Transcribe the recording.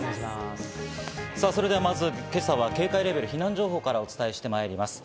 それでは、まず今朝は警戒レベル、避難情報からお伝えしてまいります。